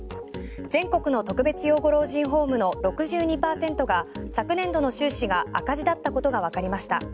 全国の特別養護老人ホームの６２％が昨年度の収支が赤字だったことがわかりました。